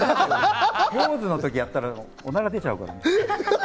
ポーズの時にやったら、おなら出ちゃうから。